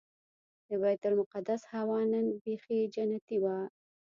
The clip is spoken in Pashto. د بیت المقدس هوا نن بيخي جنتي وه.